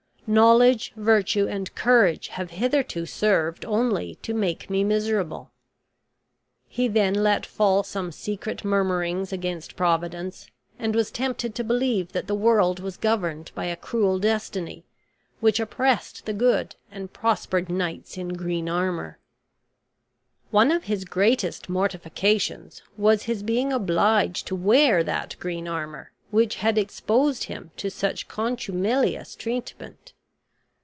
Knowledge, virtue, and courage have hitherto served only to make me miserable." He then let fall some secret murmurings against Providence, and was tempted to believe that the world was governed by a cruel destiny, which oppressed the good and prospered knights in green armor. One of his greatest mortifications was his being obliged to wear that green armor which had exposed him to such contumelious treatment.